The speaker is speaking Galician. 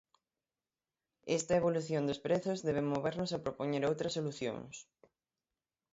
Esta evolución dos prezos debe movernos a propoñer outras solucións.